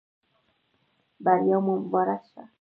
بریا مو مبارک شه